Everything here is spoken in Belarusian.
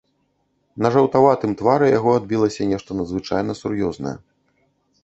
На жаўтаватым твары яго адбілася нешта надзвычайна сур'ёзнае.